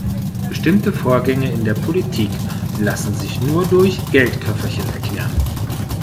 Bestimmte Vorgänge in der Politik lassen sich nur durch Geldköfferchen erklären.